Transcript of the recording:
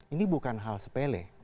ini bukan hal sepele